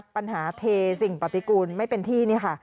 ปัญหาเทสิ่งปฏิกูลไม่เป็นที่นี่ค่ะ